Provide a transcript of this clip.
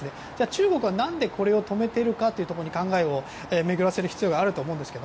中国はなんでこれを止めているかというところに考えを巡らせる必要があると思うんですが